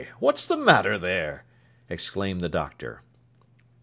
what's the matter there?' exclaimed the Doctor.